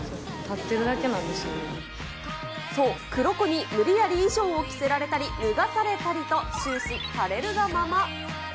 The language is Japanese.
そう、黒子に無理やり衣装を着せられたり、脱がされたりと、終始されるがまま。